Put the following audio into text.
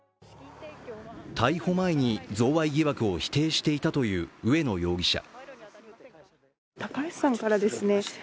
逮捕前に贈賄疑惑を否定していたという植野容疑者。